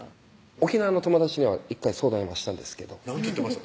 沖縄の友達には１回相談はしたんですけど何て言ってました？